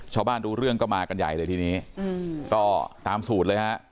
ชาวบ้านดูเรื่องก็มากันใหญ่เลยทีนี้อืมก็ตามสูตรเลยฮะ